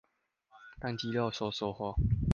當肌肉收縮後